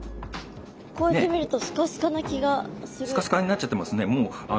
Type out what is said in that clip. こうやって見るとスカスカな気がする。